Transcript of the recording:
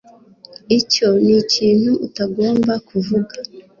Icyo nikintu utagomba kuvuga